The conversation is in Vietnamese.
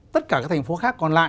tất cả cái thành phố khác còn lại